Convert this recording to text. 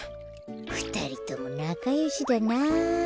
ふたりともなかよしだな。